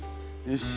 よし！